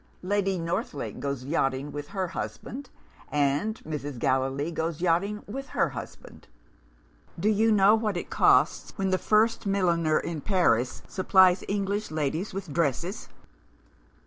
Lady Northlake goes yachting with her husband; and Mrs. Gallilee goes yachting with her husband. Do you know what it costs, when the first milliner in Paris supplies English ladies with dresses?